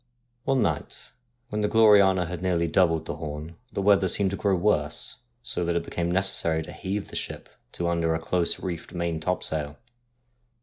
One night, when the Gloriana had nearly doubled the Horn, the weather seemed to grow worse, so that it became necessary to heave the ship to under a close reefed main topsail.